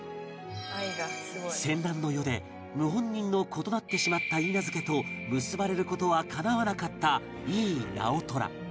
戦乱の世で謀反人の子となってしまった許嫁と結ばれる事はかなわなかった井伊直虎